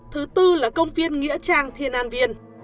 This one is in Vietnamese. thứ tư là công viên nghĩa trang thiên an viên